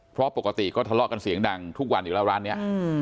เพราะปกติก็ทะเลาะกันเสียงดังทุกวันอยู่แล้วร้านนี้